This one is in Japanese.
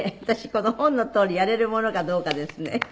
私この本のとおりやれるものかどうかですね。